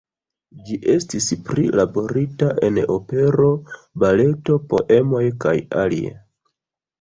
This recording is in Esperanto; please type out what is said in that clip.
Ĝi estis prilaborita en opero, baleto, poemoj kaj alie.